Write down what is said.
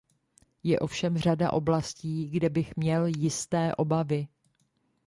Je ovšem řada oblastí, kde bych měl jisté obavy.